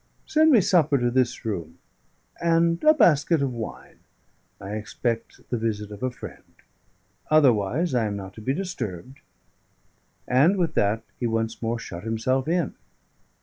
Send me supper to this room, and a basket of wine: I expect the visit of a friend. Otherwise I am not to be disturbed." And with that he once more shut himself in.